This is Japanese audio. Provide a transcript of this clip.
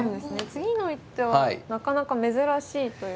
次の一手はなかなか珍しいというか。